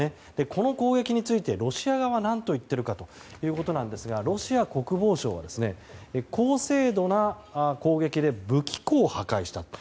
この攻撃についてロシア側は何と言っているかというとロシア国防省は、高精度な攻撃で武器庫を破壊したと。